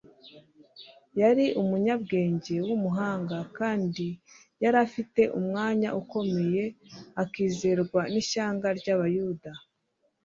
yari umunyabwenge w'umuhanga kandi yari afite umwanya ukomeye akizerwa n'ishyanga ry'Abayuda.